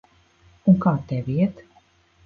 Un kā tev iet?